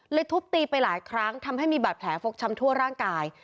ทุบตีไปหลายครั้งทำให้มีบาดแผลฟกช้ำทั่วร่างกาย